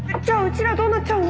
ちらどうなっちゃうの？